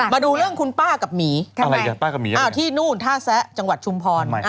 มาดูเรื่องคุณป้ากับหมีที่นู่นถ้าแซะจังหวัดชุมพร